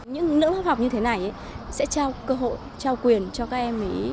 những nữ học như thế này sẽ trao cơ hội trao quyền cho các em ý